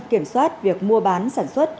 kiểm soát việc mua bán sản xuất của các đối tượng